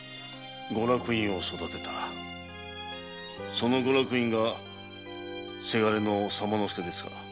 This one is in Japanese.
その御落胤がせがれの左馬助ですか。